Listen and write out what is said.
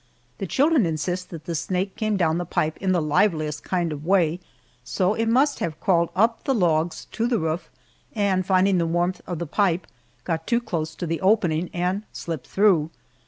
The children insist that the snake came down the pipe in the liveliest kind of a way, so it must have crawled up the logs to the roof, and finding the warmth of the pipe, got too close to the opening and slipped through.